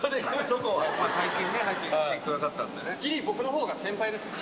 最近、入ってきてくださったんでね。